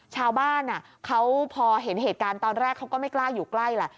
ชาวบ้านเขาพอเห็นเหตุการณ์ตอนแรกเขาก็ไม่กล้าอยู่ใกล้แหละ